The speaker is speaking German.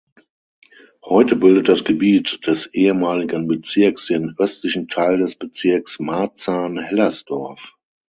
Heute bildet das Gebiet des ehemaligen Bezirks den östlichen Teil des Bezirks Marzahn-Hellersdorf.